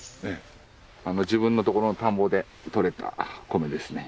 自分のところの田んぼでとれた米ですね。